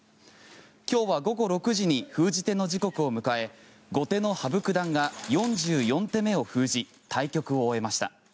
今日は午後６時に封じ手の時刻を迎え後手の羽生九段が４４手目を封じ対局を終えました。